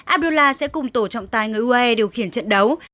abdullah sẽ cùng tổ trọng tài người uae điều khiển trận đấu